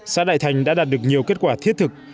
xã đại thành đã đạt được nhiều kết quả thiết thực